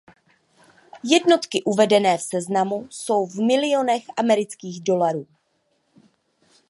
Jednotky uvedené v seznamu jsou v milionech amerických dolarů.